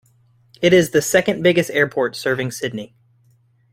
It is the second biggest airport serving Sydney.